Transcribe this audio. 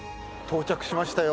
到着しましたね。